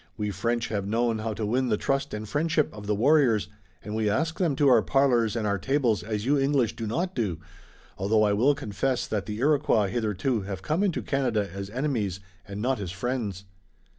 We French have known how to win the trust and friendship of the warriors and we ask them to our parlors and our tables as you English do not do, although I will confess that the Iroquois hitherto have come into Canada as enemies and not as friends."